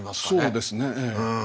そうですね。